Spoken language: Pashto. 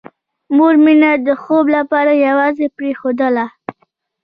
مور مينه د خوب لپاره یوازې پرېښودله